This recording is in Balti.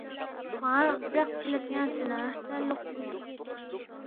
کھوانگ برق چی لہ تیانگسے نہ ہرتا لوقسے اون٘ید